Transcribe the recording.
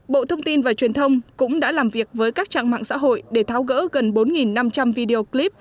bộ thông tin và truyền thông cũng đã làm việc với các trang mạng xã hội để tháo gỡ gần bốn năm trăm linh video clip